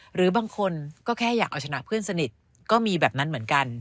หรือบางคนก็แค่อยากเอาชนะเพื่อนสนิทก็มีแบบนั้นเหมือนกัน